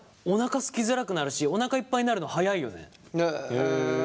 おなかすきづらくなるしおなかいっぱいになるの早いよね。